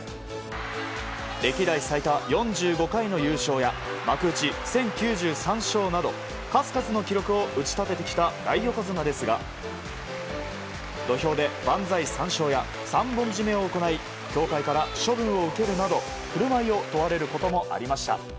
歴代最多４５回の優勝や幕内１０９３勝など数々の記録を打ち立ててきた大横綱ですが土俵で万歳三唱や三本締めを行い協会から処分されるなど振る舞いを問われることもありました。